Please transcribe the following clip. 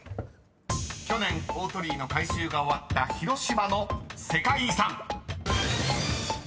［去年大鳥居の改修が終わった広島の世界遺産］